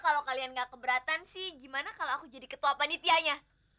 kalau kalian gak keberatan sih gimana kalau aku jadi ketua panitianya